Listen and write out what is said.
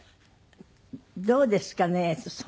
どうですかね？